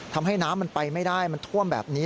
ทำให้น้ำมันไปไม่ได้มันท่วมแบบนี้